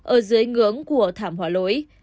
ở dưới ngưỡng của thảm hóa lỗi